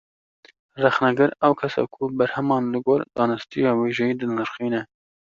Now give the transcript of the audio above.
Rexnegir, ew kes e ku berheman, li gor zanistiya wêjeyî dinirxîne